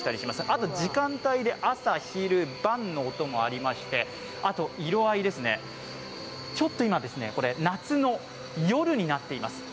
あと時間帯で朝昼晩の音もありまして、あと色合い、ちょっと今、夏の夜になっています。